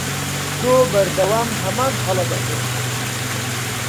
تۆ بەردەوام هەمان هەڵە دەکەیت.